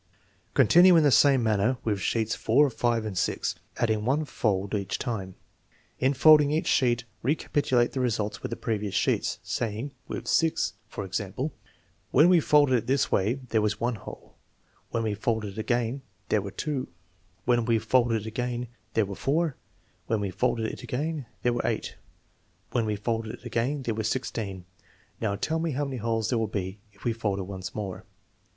Continue in the same manner with sheets four, five, and six, adding one fold each time. In folding each sheet recap itulate the results with the previous sheets, saying (with the sixth, for example) :" When we folded it this way there was one hole, when we folded it again there were two, when we folded it again there were four, when we folded it again there were eight, when we folded it again there were sixteen; now, tell me how many holes there will be if we fold it once more."